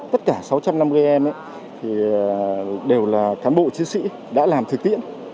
tất cả sáu trăm năm mươi em đều là cán bộ chiến sĩ đã làm thực tiễn